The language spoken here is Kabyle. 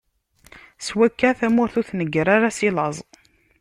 Swakka, tamurt ur tnegger ara si laẓ.